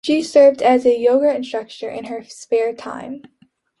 She serves as a yoga instructor in her spare time.